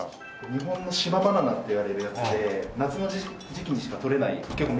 日本の島バナナっていわれるやつで夏の時期にしかとれない結構珍しいバナナ。